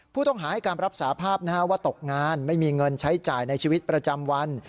ผู้ต้องหาให้การรับสาภาพว่าตกงานไม่มีเงินใช้จ่ายในชีวิตประจำวัน